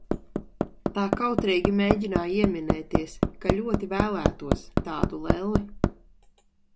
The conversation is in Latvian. Tā kautrīgi mēģināju ieminēties, ka ļoti vēlētos tādu lelli.